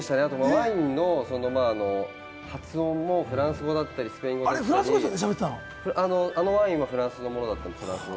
ワインの発音もフランス語だったりスペイン語だったり、あのワインはフランスものだったので、フランス語。